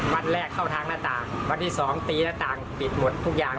วันแรกเข้าทางหน้าต่างวันที่สองตีหน้าต่างปิดหมดทุกอย่าง